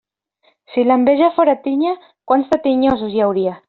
Si l'enveja fóra tinya, quants de tinyosos hi hauria.